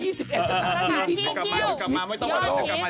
สถานที่เชี่ยวยอดนี้เดี๋ยวกลับมาไม่ต้องกลับมาเดี๋ยวกลับมา